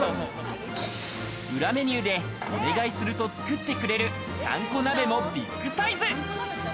裏メニューでお願いすると作ってくれる、ちゃんこ鍋もビッグサイズ。